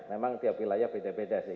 memang tiap wilayah beda beda sih